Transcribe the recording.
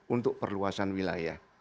untuk perluasan wilayah